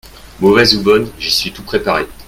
Mauvaise ou bonne, j'y suis tout préparé.